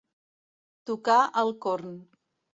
Tocar el corn.